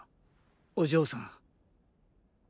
お嬢さん。